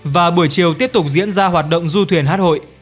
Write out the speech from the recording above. và buổi chiều tiếp tục diễn ra hoạt động du thuyền hát hội